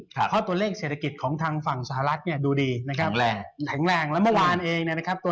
เพราะตัวเลขเศรษฐกิจของทางฝั่งสหรัฐดูดีแข็งแรง